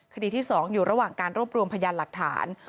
คดีที่๒อยู่ระหว่างการรวบรวมพยานหลักฐาน